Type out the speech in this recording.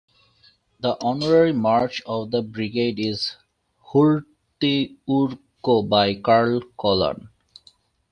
The honorary march of the brigade is "Hurtti-Ukko" by Carl Collan.